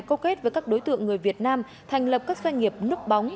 câu kết với các đối tượng người việt nam thành lập các doanh nghiệp núp bóng